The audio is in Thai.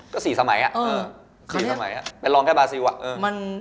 ก็สี่สมัยอะเป็นหลองแค่บาร์ซีวก่อนเออ